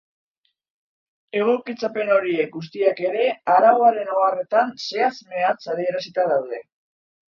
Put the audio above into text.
Egokitzapen horiek guztiak ere arauaren oharretan zehatz-mehatz adierazita daude.